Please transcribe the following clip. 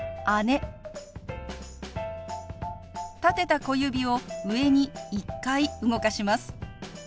立てた小指を上に１回動かします。